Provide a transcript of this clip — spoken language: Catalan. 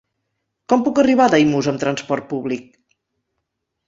Com puc arribar a Daimús amb transport públic?